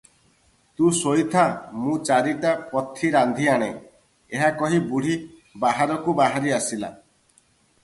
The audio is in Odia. “ତୁ ଶୋଇଥା’, ମୁଁ ଚାରିଟା ପଥି ରାନ୍ଧି ଆଣେଁ,” ଏହା କହି ବୁଢ଼ୀ ବାହାରକୁ ବାହାରି ଆସିଲା ।